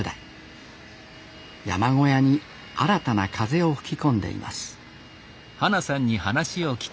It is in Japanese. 山小屋に新たな風を吹き込んでいます